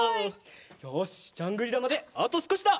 よしジャングリラまであとすこしだ！